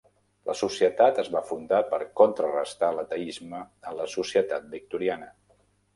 La societat es va fundar per contrarestar l'ateisme a la societat victoriana.